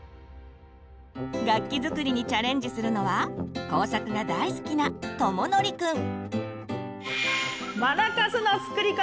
楽器作りにチャレンジするのは工作が大好きなとものりくん。